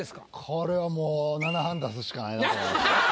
これはもう７５０ｃｃ出すしかないなと思いまして。